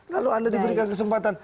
lalu anda diberikan kesempatan